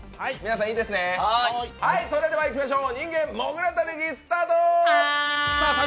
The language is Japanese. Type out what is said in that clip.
それでいきましょう「人間モグラたたき」スタート！